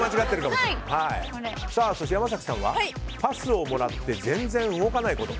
そして山崎さんはパスをもらって全然動かないこと。